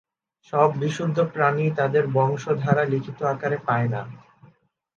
সব বিশুদ্ধ প্রাণীই তাদের বংশধারা লিখিত আকারে পায় না।